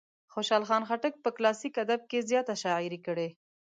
خوشال خان خټک په کلاسیک ادب کې زیاته شاعري کړې.